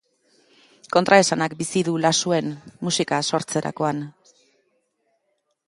Kontraesanak bizi du Lasuen, musika sortzerakoan.